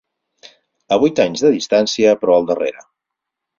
A vuit anys de distància, però al darrere.